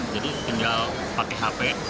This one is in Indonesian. jadi tinggal pakai hp gitu kan